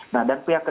nah dan pihak